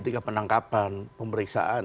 ketika penangkapan pemeriksaan